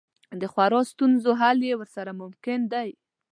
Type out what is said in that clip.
د خورا ستونزو حل یې ورسره ممکن دی.